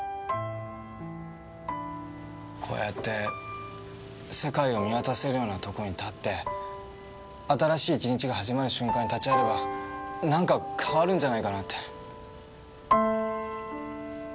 こうやって世界を見渡せるようなとこに立って新しい一日が始まる瞬間に立ち会えればなんか変わるんじゃないかなって。